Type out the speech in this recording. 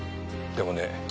でもね